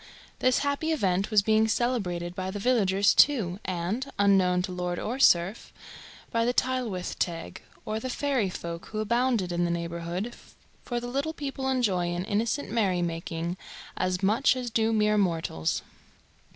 This happy event was being celebrated by the villagers too, and, unknown to lord or serf, by the "Tylwyth Teg," or the fairy folk who abounded in the neighbourhood, for the little people enjoy an innocent merry making as much as do mere mortals.